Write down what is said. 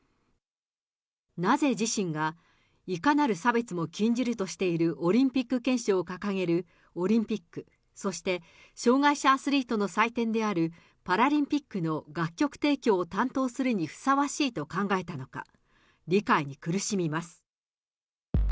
なぜ自身がいかなる差別も禁じるとしているオリンピック憲章を掲げるオリンピック、そして障害者アスリートの祭典であるパラリンピックの楽曲提供を担当するにふさわしいと考えたのか、理解に苦しみます。